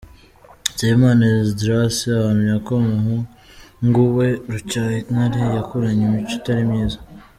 Nsabimana Esdras ahamya ko umuhungu we Rucyahintare yakuranye imico itari myiza